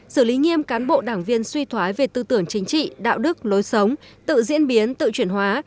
xử lý nghiêm cán bộ đảng viên suy thoái về tư tưởng chính trị đạo đức lối sống tự diễn biến tự chuyển hóa